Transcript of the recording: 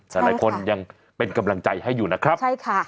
หลายคนยังเป็นกำลังใจให้อยู่นะครับใช่ค่ะ